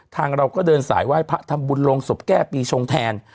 ทางเราก็เดินสายไหว้พระทำบุญลงศพแก้ปีชงแทน